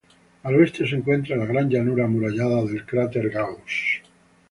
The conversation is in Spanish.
Al oeste se encuentra la gran llanura amurallada del cráter Gauss.